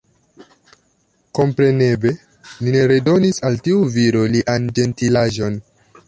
Kompreneble li ne redonis al tiu viro lian ĝentilaĵon.